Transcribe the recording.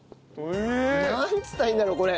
なんつったらいいんだろうこれ。